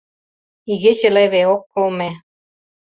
Игече леве, ок кылме.